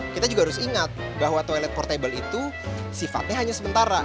kita juga harus ingat bahwa toilet portable itu sifatnya hanya sementara